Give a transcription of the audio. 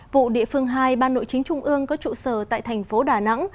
vụ địa phương hai ban nội chính trung ương có trụ sở tại thành phố đà nẵng